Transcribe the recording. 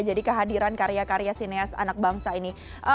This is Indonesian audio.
jadi kehadiran karya karya sineas anak bangsa ini